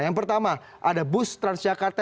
yang pertama ada bus transjakarta